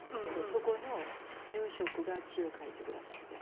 そこの住職が字を書いて下さって。